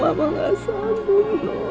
mama gak sanggup nuh